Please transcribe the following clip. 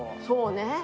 そうね。